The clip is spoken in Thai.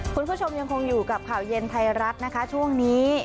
คุณผู้ชมยังคงอยู่กับข่าวเย็นไทยรัฐนะคะช่วงนี้